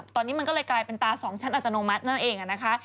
ตอนนี้มันก็เลยกลายเป็นตา๒ชั้นอัตโนมัตินั่นเองนะคะ